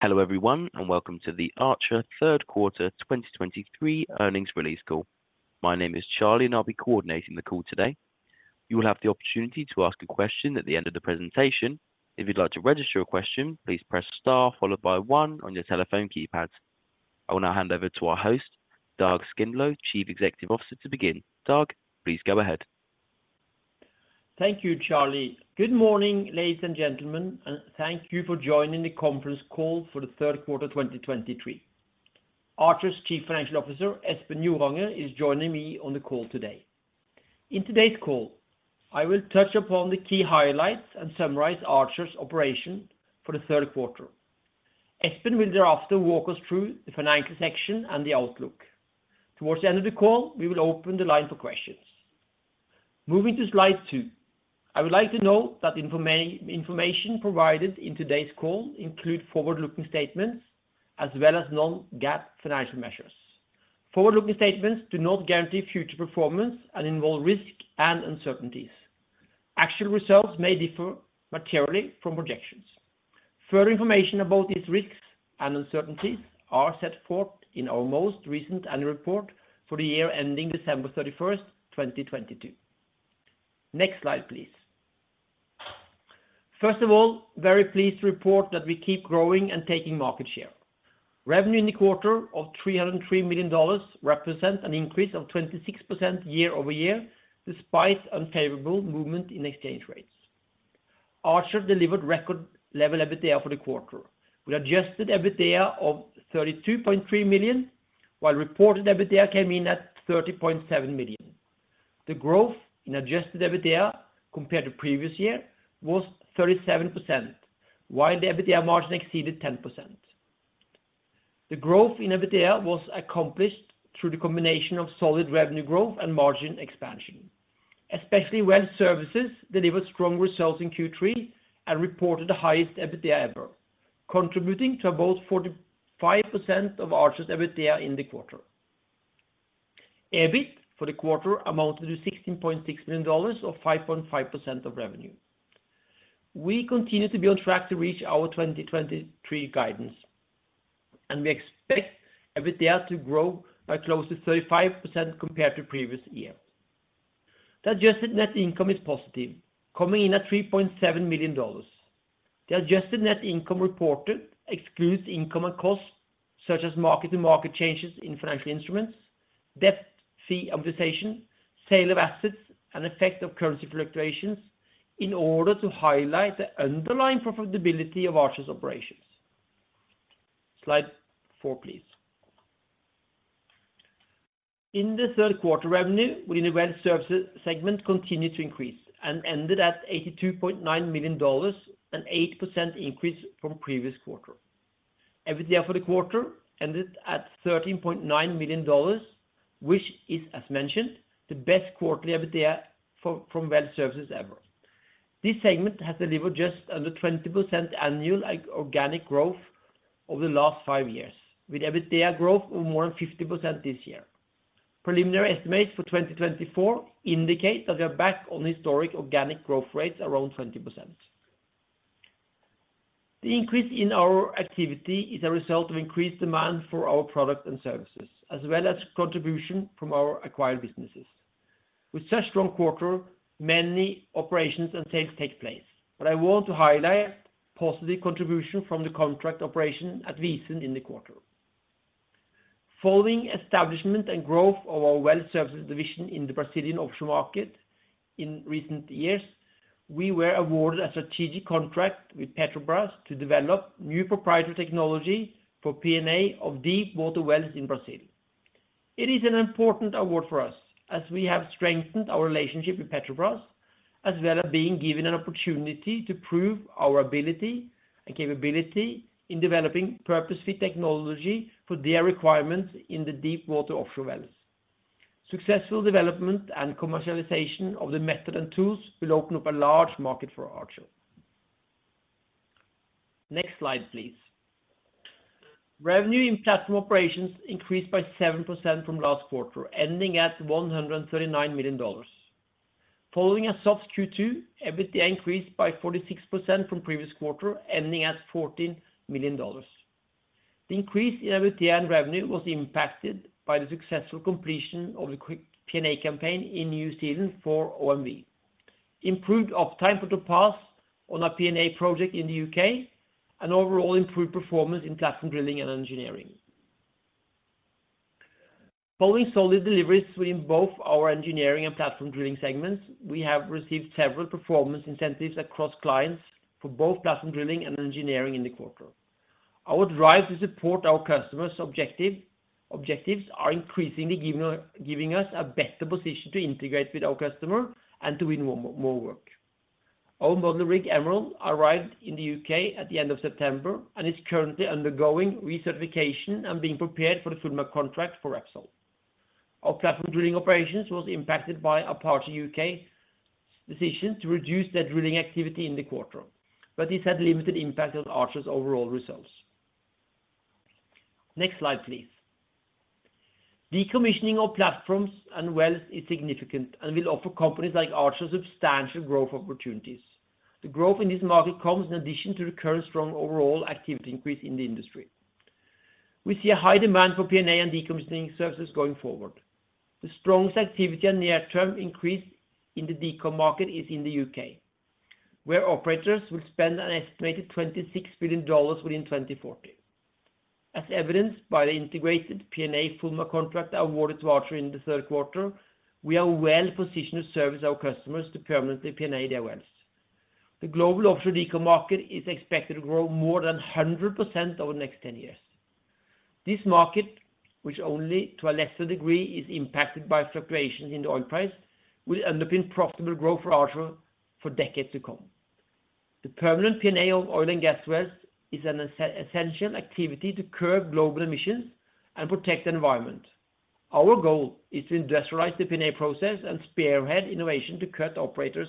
Hello, everyone, and welcome to the Archer Third Quarter 2023 Earnings Release Call. My name is Charlie, and I'll be coordinating the call today. You will have the opportunity to ask a question at the end of the presentation. If you'd like to register your question, please press star, followed by one on your telephone keypad. I will now hand over to our host, Dag Skindlo, Chief Executive Officer, to begin. Dag, please go ahead. Thank you, Charlie. Good morning, ladies, and gentlemen, and thank you for joining the Conference Call for the Third Quarter of 2023. Archer's Chief Financial Officer, Espen Joranger, is joining me on the call today. In today's call, I will touch upon the key highlights and summarize Archer's operation for the third quarter. Espen will thereafter walk us through the financial section and the outlook. Towards the end of the call, we will open the line for questions. Moving to slide two, I would like to note that information provided in today's call include forward-looking statements as well as non-GAAP financial measures. Forward-looking statements do not guarantee future performance and involve risk and uncertainties. Actual results may differ materially from projections. Further information about these risks and uncertainties are set forth in our most recent annual report for the year ending December 31st, 2022. Next slide, please. First of all, very pleased to report that we keep growing and taking market share. Revenue in the quarter of $303 million represents an increase of 26% year-over-year, despite unfavorable movement in exchange rates. Archer delivered record level EBITDA for the quarter, with Adjusted EBITDA of $32.3 million, while reported EBITDA came in at $30.7 million. The growth in Adjusted EBITDA compared to previous year was 37%, while the EBITDA margin exceeded 10%. The growth in EBITDA was accomplished through the combination of solid revenue growth and margin expansion, especially Well Services delivered strong results in Q3 and reported the highest EBITDA ever, contributing to about 45% of Archer's EBITDA in the quarter. EBIT for the quarter amounted to $16.6 million, or 5.5% of revenue. We continue to be on track to reach our 2023 guidance, and we expect EBITDA to grow by close to 35% compared to previous year. The adjusted net income is positive, coming in at $3.7 million. The adjusted net income reported excludes income and costs, such as mark-to-market changes in financial instruments, debt, fee amortization, sale of assets, and effect of currency fluctuations in order to highlight the underlying profitability of Archer's operations. Slide four, please. In the third quarter, revenue within the Well Services segment continued to increase and ended at $82.9 million, an 8% increase from previous quarter. EBITDA for the quarter ended at $13.9 million, which is, as mentioned, the best quarterly EBITDA for, from Well Services ever. This segment has delivered just under 20% annual organic growth over the last five years, with EBITDA growth of more than 50% this year. Preliminary estimates for 2024 indicate that we are back on historic organic growth rates around 20%. The increase in our activity is a result of increased demand for our products and services, as well as contribution from our acquired businesses. With such strong quarter, many operations and sales take place, but I want to highlight positive contribution from the contract operation at Basin in the quarter. Following establishment and growth of our Well Services division in the Brazilian offshore market in recent years, we were awarded a strategic contract with Petrobras to develop new proprietary technology for P&A of deepwater wells in Brazil. It is an important award for us as we have strengthened our relationship with Petrobras, as well as being given an opportunity to prove our ability and capability in developing purpose-fit technology for their requirements in the deep water offshore wells. Successful development and commercialization of the method and tools will open up a large market for Archer. Next slide, please. Revenue in platform operations increased by 7% from last quarter, ending at $139 million. Following a soft Q2, EBITDA increased by 46% from previous quarter, ending at $14 million. The increase in EBITDA and revenue was impacted by the successful completion of the quick P&A campaign in New Zealand for OMV, improved uptime for Topaz on a P&A project in the U.K., and overall improved performance in platform drilling and engineering. Following solid deliveries in both our engineering and platform drilling segments, we have received several performance incentives across clients for both platform drilling and engineering in the quarter. Our drive to support our customers' objective, objectives are increasingly giving us, giving us a better position to integrate with our customer and to win more, more work. Our model rig, Emerald, arrived in the U.K. at the end of September and is currently undergoing recertification and being prepared for the Fulmar contract for Repsol. Our platform drilling operations was impacted by a Apache U.K. decision to reduce their drilling activity in the quarter, but this had limited impact on Archer's overall results. Next slide, please. Decommissioning of platforms and wells is significant and will offer companies like Archer substantial growth opportunities. The growth in this market comes in addition to the current strong overall activity increase in the industry. We see a high demand for P&A and decommissioning services going forward. The strongest activity and near-term increase in the decom market is in the U.K., where operators will spend an estimated $26 billion within 2040. As evidenced by the integrated P&A Fulmar contract awarded to Archer in the third quarter, we are well positioned to service our customers to permanently P&A their wells. The global offshore decom market is expected to grow more than 100% over the next ten years. This market, which only to a lesser degree, is impacted by fluctuations in the oil price, will underpin profitable growth for Archer for decades to come. The permanent P&A of oil and gas wells is an essential activity to curb global emissions and protect the environment. Our goal is to industrialize the P&A process and spearhead innovation to cut operators'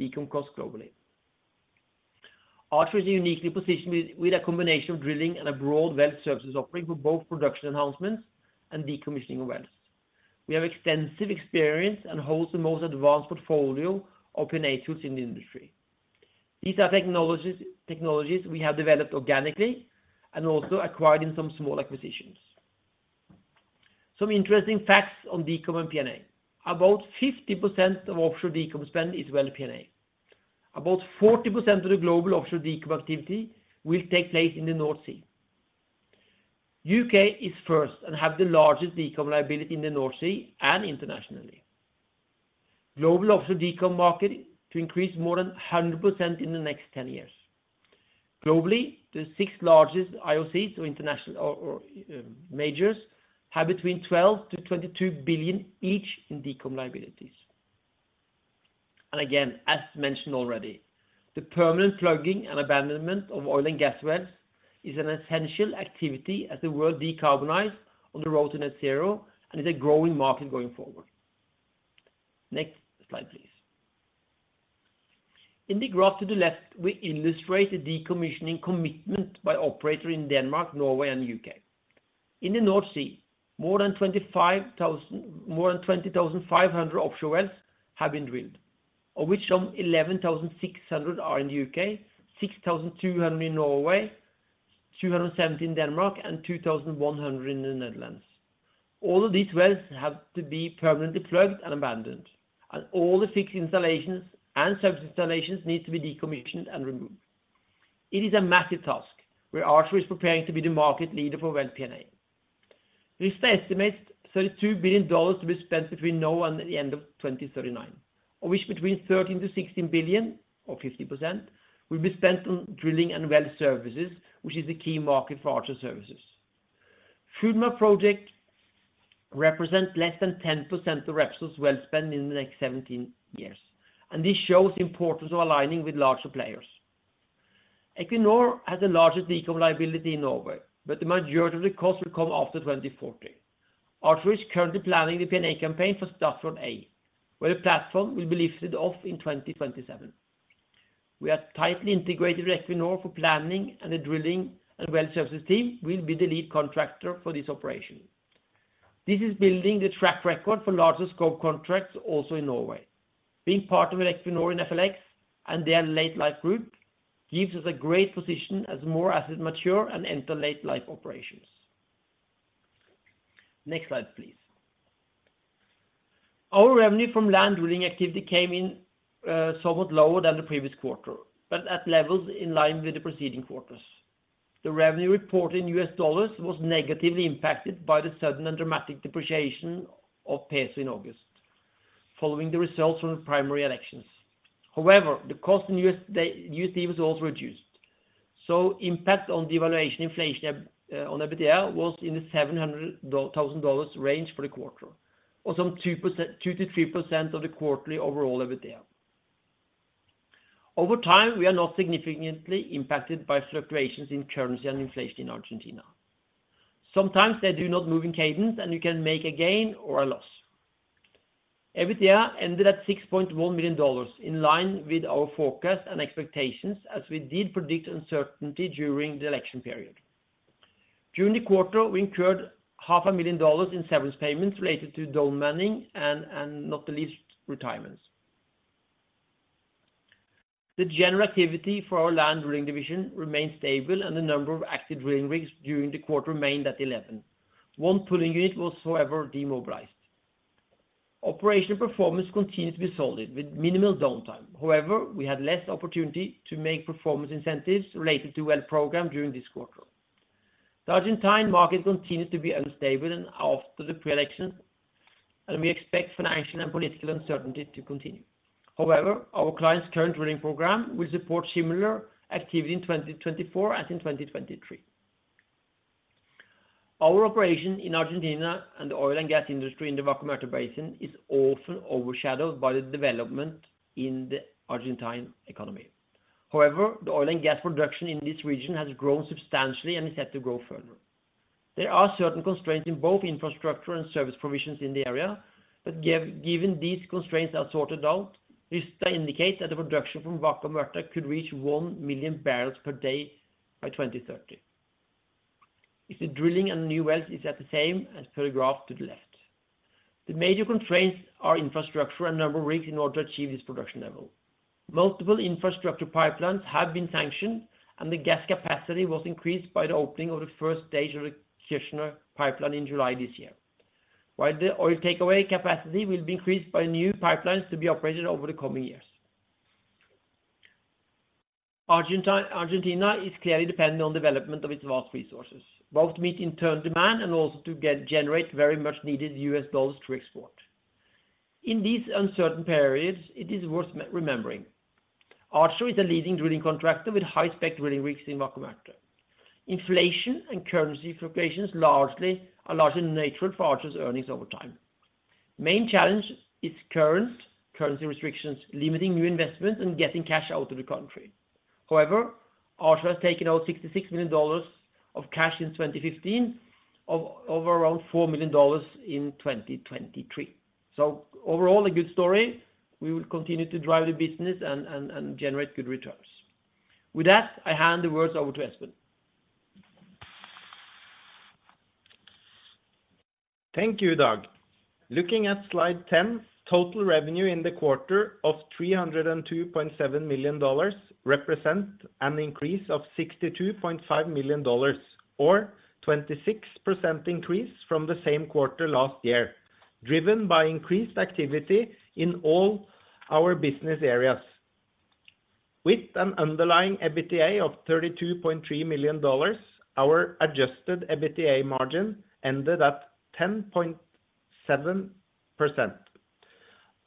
decom costs globally. Archer is uniquely positioned with a combination of drilling and a broad well services offering for both production enhancements and decommissioning wells. We have extensive experience and holds the most advanced portfolio of P&A tools in the industry. These are technologies we have developed organically and also acquired in some small acquisitions. Some interesting facts on decom and P&A. About 50% of offshore decom spend is well P&A. About 40% of the global offshore decom activity will take place in the North Sea. U.K. is first and have the largest decom liability in the North Sea and internationally. Global offshore decom market to increase more than 100% in the next 10 years. Globally, the six largest IOCs or international or majors have between $12 billion-$22 billion each in decom liabilities. Again, as mentioned already, the permanent plugging and abandonment of oil and gas wells is an essential activity as the world decarbonizes on the road to net zero and is a growing market going forward. Next slide, please. In the graph to the left, we illustrate the decommissioning commitment by operator in Denmark, Norway, and U.K. In the North Sea, more than 25,000- more than 20,500 offshore wells have been drilled, of which some 11,600 are in the U.K., 6,200 in Norway, 270 in Denmark, and 2,100 in the Netherlands. All of these wells have to be permanently plugged and abandoned, and all the fixed installations and service installations need to be decommissioned and removed. It is a massive task, where Archer is preparing to be the market leader for well P&A. Rystad estimates $32 billion to be spent between now and the end of 2039, of which between $13 billion-$16 billion, or 50%, will be spent on drilling and well services, which is the key market for Archer services. Fulmar project represents less than 10% of Repsol's well spend in the next 17 years, and this shows the importance of aligning with larger players. Equinor has the largest decom liability in Norway, but the majority of the cost will come after 2040. Archer is currently planning the P&A campaign for Statfjord A, where the platform will be lifted off in 2027. We are tightly integrated with Equinor for planning, and the drilling and well services team will be the lead contractor for this operation. This is building the track record for larger scope contracts also in Norway. Being part of Equinor in FLX and their late life group, gives us a great position as more assets mature and enter late life operations. Next slide, please. Our revenue from land drilling activity came in somewhat lower than the previous quarter, but at levels in line with the preceding quarters. The revenue reported in U.S. dollars was negatively impacted by the sudden and dramatic depreciation of the peso in August, following the results from the primary elections. However, the cost in USD was also reduced, so the impact on the evaluation inflation on EBITDA was in the $700,000 range for the quarter, or some 2%, 2%-3% of the quarterly overall EBITDA. Over time, we are not significantly impacted by fluctuations in currency and inflation in Argentina. Sometimes they do not move in cadence, and you can make a gain or a loss. EBITDA ended at $6.1 million, in line with our forecast and expectations, as we did predict uncertainty during the election period. During the quarter, we incurred $500,000 in severance payments related to down manning and, not the least, retirements. The general activity for our land drilling division remained stable and the number of active drilling rigs during the quarter remained at 11. One pulling unit was, however, demobilized. Operational performance continued to be solid, with minimal downtime. However, we had less opportunity to make performance incentives related to well program during this quarter. The Argentine market continues to be unstable after the pre-election, and we expect financial and political uncertainty to continue. However, our client's current drilling program will support similar activity in 2024 as in 2023. Our operation in Argentina and the oil and gas industry in the Vaca Muerta Basin is often overshadowed by the development in the Argentine economy. However, the oil and gas production in this region has grown substantially and is set to grow further. There are certain constraints in both infrastructure and service provisions in the area, but given these constraints are sorted out, this indicates that the production from Vaca Muerta could reach 1 million barrels per day by 2030. If the drilling and new wells is at the same as per graph to the left. The major constraints are infrastructure and number of rigs in order to achieve this production level. Multiple infrastructure pipelines have been sanctioned, and the gas capacity was increased by the opening of the first stage of the Néstor Kirchner pipeline in July this year. While the oil takeaway capacity will be increased by new pipelines to be operated over the coming years. Argentina is clearly dependent on the development of its vast resources, both to meet internal demand and also to get, generate very much needed U.S. dollars to export. In these uncertain periods, it is worth remembering, Archer is the leading drilling contractor with high-spec drilling rigs in Vaca Muerta. Inflation and currency fluctuations are largely natural for Archer's earnings over time. Main challenge is currency restrictions, limiting new investments and getting cash out of the country. However, Archer has taken out $66 million of cash in 2015, over around $4 million in 2023. So overall, a good story. We will continue to drive the business and generate good returns. With that, I hand the words over to Espen. Thank you, Dag. Looking at slide 10, total revenue in the quarter of $302.7 million represent an increase of $62.5 million or 26% increase from the same quarter last year, driven by increased activity in all our business areas. With an underlying EBITDA of $32.3 million, our Adjusted EBITDA margin ended up 10.7%.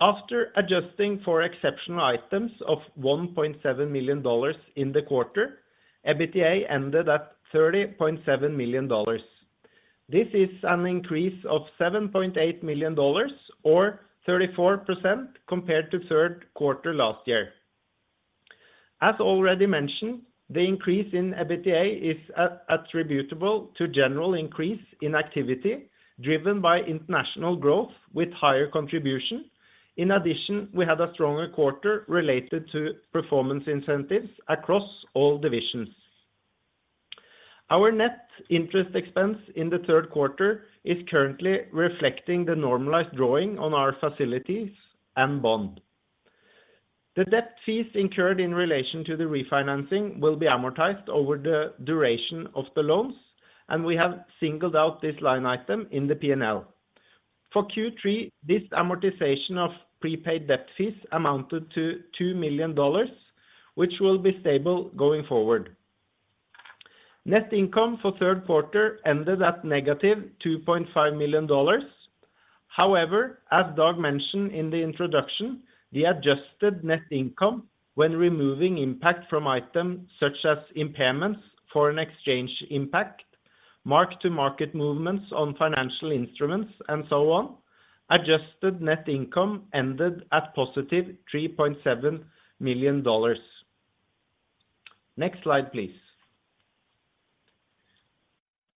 After adjusting for exceptional items of $1.7 million in the quarter, EBITDA ended at $30.7 million. This is an increase of $7.8 million or 34% compared to third quarter last year. As already mentioned, the increase in EBITDA is attributable to general increase in activity driven by international growth with higher contribution. In addition, we had a stronger quarter related to performance incentives across all divisions. Our net interest expense in the third quarter is currently reflecting the normalized drawing on our facilities and bond. The debt fees incurred in relation to the refinancing will be amortized over the duration of the loans, and we have singled out this line item in the P&L. For Q3, this amortization of prepaid debt fees amounted to $2 million, which will be stable going forward. Net income for third quarter ended at -$2.5 million. However, as Dag mentioned in the introduction, the adjusted net income when removing impact from items such as impairments, foreign exchange impact, mark-to-market movements on financial instruments, and so on, adjusted net income ended at $3.7 million. Next slide, please.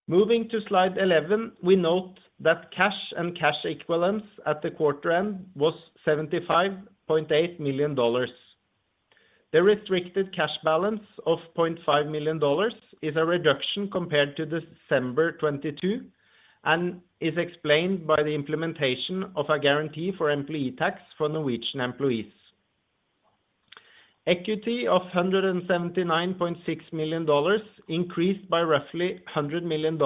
Moving to slide 11, we note that cash and cash equivalents at the quarter end was $75.8 million. The restricted cash balance of $0.5 million is a reduction compared to December 2020, and is explained by the implementation of a guarantee for employee tax for Norwegian employees. Equity of $179.6 million increased by roughly $100 million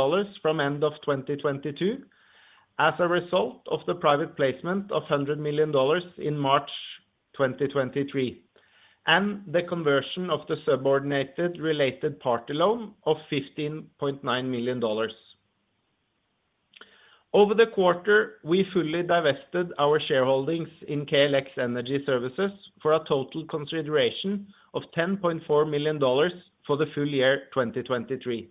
from end of 2022, as a result of the private placement of $100 million in March 2023, and the conversion of the subordinated related party loan of $15.9 million. Over the quarter, we fully divested our shareholdings in KLX Energy Services for a total consideration of $10.4 million for the full year 2023.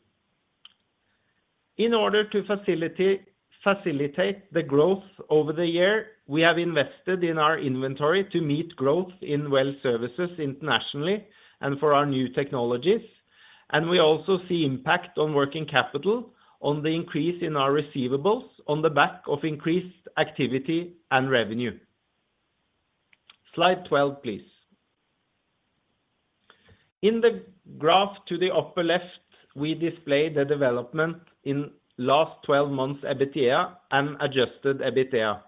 In order to facilitate the growth over the year, we have invested in our inventory to meet growth in well services internationally and for our new technologies, and we also see impact on working capital on the increase in our receivables on the back of increased activity and revenue. Slide 12, please. In the graph to the upper left, we display the development in last 12 months EBITDA and Adjusted EBITDA.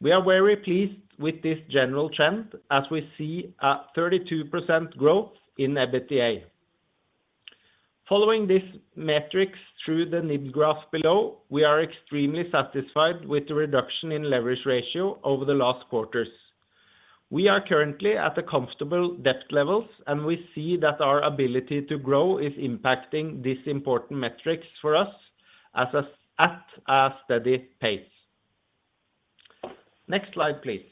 We are very pleased with this general trend, as we see a 32% growth in EBITDA. Following this metric through the line graph below, we are extremely satisfied with the reduction in leverage ratio over the last quarters. We are currently at a comfortable debt levels, and we see that our ability to grow is impacting this important metric for us at a steady pace. Next slide, please.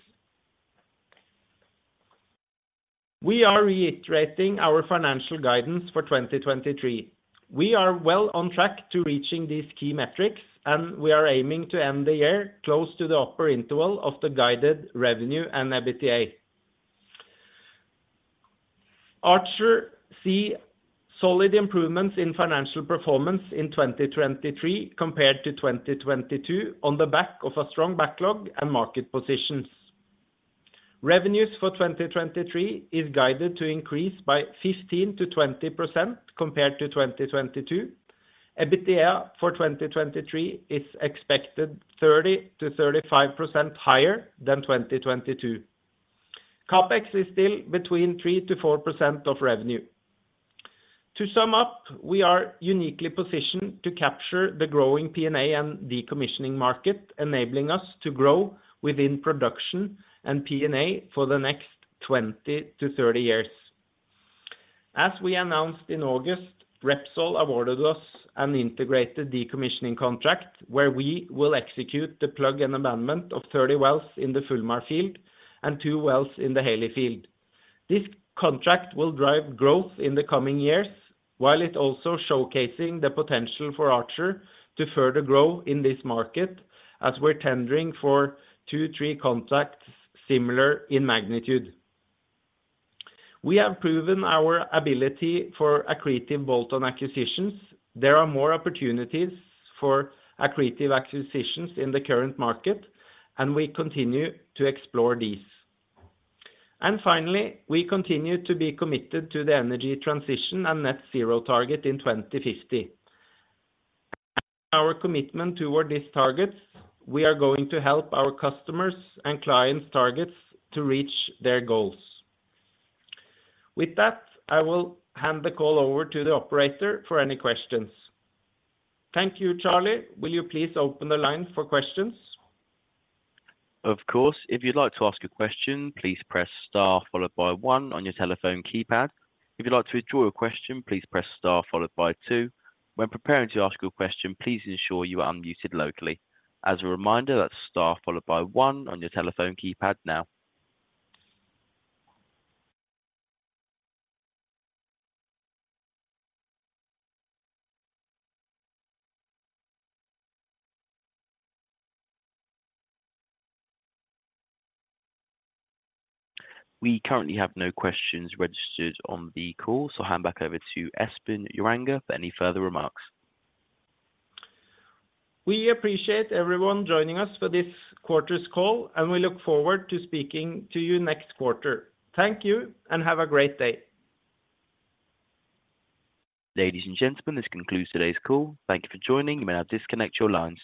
We are reiterating our financial guidance for 2023. We are well on track to reaching these key metrics, and we are aiming to end the year close to the upper interval of the guided revenue and EBITDA. Archer see solid improvements in financial performance in 2023 compared to 2022 on the back of a strong backlog and market positions. Revenues for 2023 is guided to increase by 15%-20% compared to 2022. EBITDA for 2023 is expected 30%-35% higher than 2022. CapEx is still between 3%-4% of revenue. To sum up, we are uniquely positioned to capture the growing P&A and decommissioning market, enabling us to grow within production and P&A for the next 20-30 years. As we announced in August, Repsol awarded us an integrated decommissioning contract, where we will execute the plug and abandonment of 30 wells in the Fulmar field and two wells in the Halley field. This contract will drive growth in the coming years, while it also showcasing the potential for Archer to further grow in this market, as we're tendering for two to three contracts similar in magnitude. We have proven our ability for accretive bolt-on acquisitions. There are more opportunities for accretive acquisitions in the current market, and we continue to explore these. Finally, we continue to be committed to the energy transition and net zero target in 2050. Our commitment toward these targets, we are going to help our customers and clients targets to reach their goals. With that, I will hand the call over to the operator for any questions. Thank you, Charlie. Will you please open the lines for questions? Of course. If you'd like to ask a question, please press star followed by one on your telephone keypad. If you'd like to withdraw your question, please press star followed by two. When preparing to ask your question, please ensure you are unmuted locally. As a reminder, that's star followed by one on your telephone keypad now. We currently have no questions registered on the call, so I'll hand back over to Espen Joranger for any further remarks. We appreciate everyone joining us for this quarter's call, and we look forward to speaking to you next quarter. Thank you, and have a great day. Ladies, and gentlemen, this concludes today's call. Thank you for joining. You may now disconnect your lines.